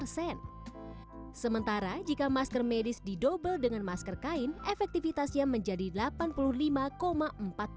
sementara jika masker medis didobel dengan masker kain efektivitasnya menjadi lebih kecil